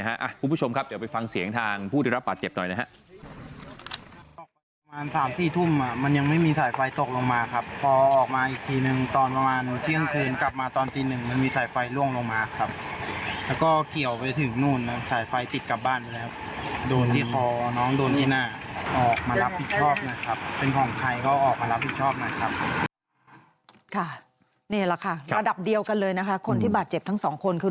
๓๔ทุ่มมันยังไม่มีสายไฟตกลงมาครับพอออกมาอีกทีนึงตอนประมาณเชี่ยงคืนกลับมาตอนตีหนึ่งมันมีสายไฟล่วงลงมาครับแล้วก็เกี่ยวไปถึงนู่นสายไฟติดกลับบ้านแล้วโดนที่พอน้องโดนเอนน่าออกมารับผิดชอบนะครับเป็นของใครก็ออกมารับผิดชอบนะครับค่ะนี่แหละค่ะระดับเดียวกันเลยนะคะคนที่บาดเจ็บทั้งส